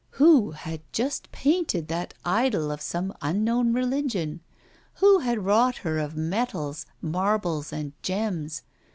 Who had just painted that idol of some unknown religion? Who had wrought her of metals, marbles, and gems?